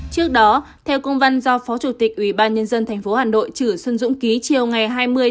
trước đó theo công văn do phó chủ tịch ubnd tp hà nội chử xuân dũng ký chiều ngày hai mươi một mươi một